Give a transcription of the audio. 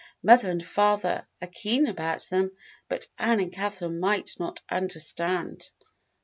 Mother and father are keen about them, but Ann and Catherine might not understand."